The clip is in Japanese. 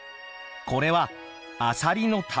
これはアサリの卵。